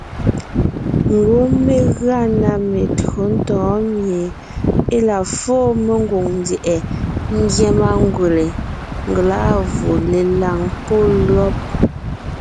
Ngwɔ́ mé gʉa na metÿǒ ntɔ̌ɔn mie e la fóo mengwòŋ ndyɛ̀ʼɛ ngyɛ́ mangwèle, ngelâvù, lelàŋ pɔ́ lÿɔ́b.